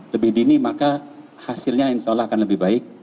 lebih dini maka hasilnya insya allah akan lebih baik